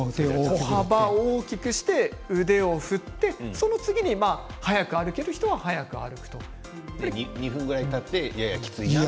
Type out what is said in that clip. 歩幅を大きくして腕を振って速く歩ける人は速く歩くということですね。